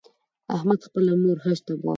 احمد خپله مور حج ته بوتله.